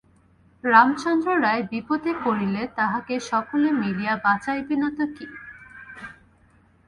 রামচন্দ্র রায় বিপদে পড়িলে তাঁহাকে সকলে মিলিয়া বাঁচাইবে না তো কী!